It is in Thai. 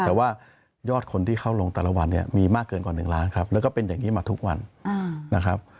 แต่ว่ายอดคนที่เข้าลงแต่ละวันเนี่ยมีมากเกินกว่า๑ล้านครับแล้วก็เป็นอย่างนี้มาทุกวันนะครับ